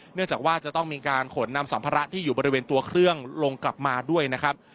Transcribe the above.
เนื่องจากว่าจะต้องมีการขนนำสัมภาระที่อยู่บริเวณตัวเครื่องลงกลับมาด้วยนะครับ